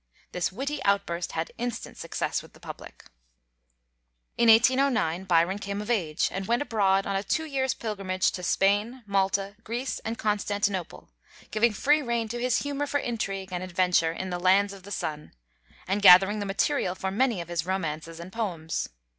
This witty outburst had instant success with the public. In 1809 Byron came of age, and went abroad on a two years' pilgrimage to Spain, Malta, Greece, and Constantinople, giving free rein to his humor for intrigue and adventure in the "lands of the sun," and gathering the material for many of his romances and poems.